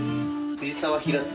藤沢平塚